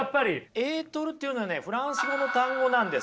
エートルというのはねフランス語の単語なんです。